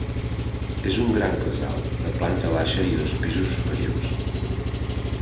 És un gran casal de planta baixa i dos pisos superiors.